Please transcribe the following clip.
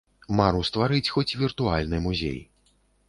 Мару стварыць хоць віртуальны музей.